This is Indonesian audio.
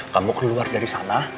kamu keluar dari sana